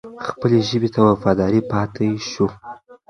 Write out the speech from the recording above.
خپلې ژبې ته وفادار پاتې شو.